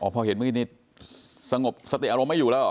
อ๋อเพราะเห็นมีดนี่สงบสติอารมณ์ไม่อยู่แล้วเหรอ